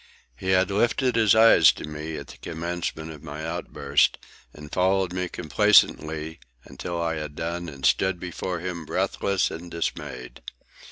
He had lifted his eyes to me at the commencement of my outburst, and followed me complacently until I had done and stood before him breathless and dismayed.